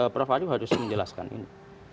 prof arief harus menjelaskan ini